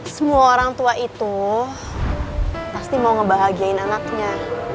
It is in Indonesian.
semua orang tua itu pasti mau ngebahagiain anaknya